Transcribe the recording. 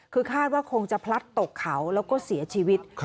คือคาดว่าคงจะพลัดตกเขาแล้วก็เสียชีวิต